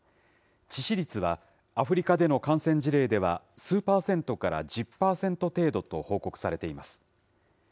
致死率は、アフリカでの感染事例では、数％から１０％程度と報告されています。